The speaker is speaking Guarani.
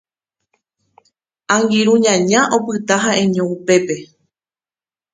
Angirũ ñaña opyta ha'eño upépe